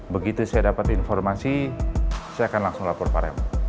begitu saya dapat informasi saya akan langsung lapor parem